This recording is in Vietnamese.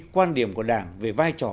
quan điểm của đảng về vai trò